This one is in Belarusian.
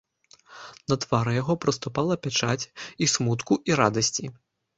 На твары яго праступала пячаць і смутку і радасці.